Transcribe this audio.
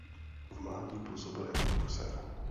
V mladí působil jako boxer.